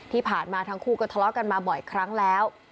ที่ผ่านมาทั้งคู่ก็ทะเลาะกันมาบ่อยครั้งแล้ว